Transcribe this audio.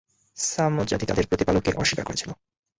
ছামূদ জাতি তাদের প্রতিপালককে অস্বীকার করেছিল।